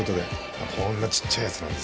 こんなちっちゃいやつなんですけど。